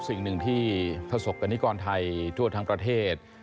สิ่งหนึ่งที่ประสบกรณิกรไทยทั่วทั้งประเทศ